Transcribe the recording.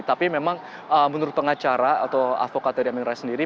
tapi memang menurut pengacara atau avokat dari amin rais sendiri